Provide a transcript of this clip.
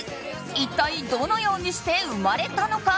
一体どのようにして生まれたのか。